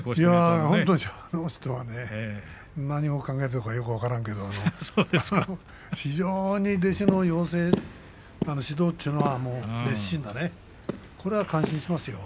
本当にあの人は何を考えているのかよく分からんけれど非常に弟子の養成、指導というのは熱心でね、これは感心しますよ。